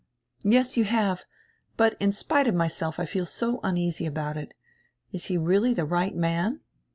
"Yes, you have. But in spite of myself I feel so uneasy about it. Is he really die right man?"